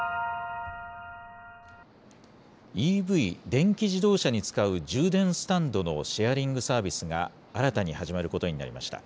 ＥＶ・電気自動車に使う充電スタンドのシェアリングサービスが新たに始まることになりました。